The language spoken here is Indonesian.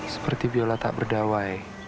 seperti biola tak berdawai